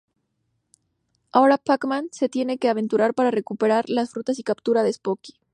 Ahora Pac-Man se tiene que aventurar para recuperar las frutas y capturar a Spooky.